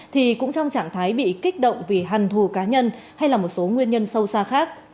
thì cũng trong trạng thái bị kích động vì hằn thù cá nhân hay là một số nguyên nhân sâu xa khác